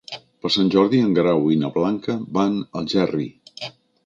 Per Sant Jordi en Guerau i na Blanca van a Algerri.